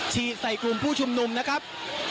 ฉีดใส่กลุ่มผู้ชุมนุมนะครับ